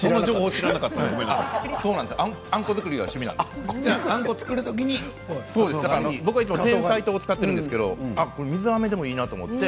僕は、あんこ作りが趣味なので僕はいつもてんさい糖を使ってるんですけど水あめでもいいなと思って。